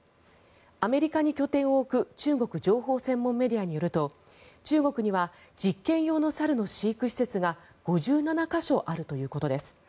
アメリカに拠点を置く中国情報専門メディアによると中国には実験用の猿の飼育施設が５７か所あるということです。